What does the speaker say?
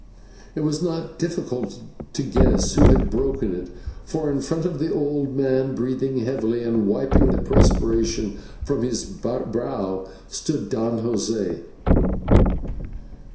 It was not difficult to guess who had broken it, for in front of the old man, breathing heavily and wiping the perspiration from his brow, stood Don José.